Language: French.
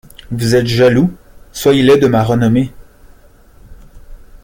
Vous êtes jaloux? soyez-le de ma renommée!